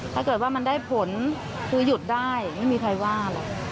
ถ้าเกิดว่ามันได้ผลคือหยุดได้ไม่มีใครว่าหรอก